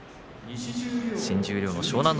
新十両の湘南乃